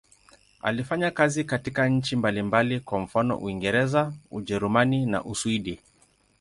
Alifanya kazi katika nchi mbalimbali, kwa mfano Uingereza, Ujerumani na Uswidi.